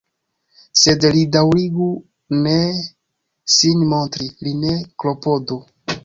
Sed li daŭrigu ne sin montri, li ne klopodu.